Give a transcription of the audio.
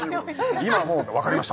今はもう分かりました